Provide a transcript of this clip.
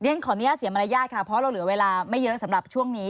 ขออนุญาตเสียมารยาทค่ะเพราะเราเหลือเวลาไม่เยอะสำหรับช่วงนี้